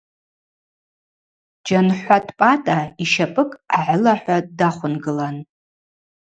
Джьанхӏватӏ Пӏатӏа йщапӏыкӏ агӏылахӏва дахвынгылан.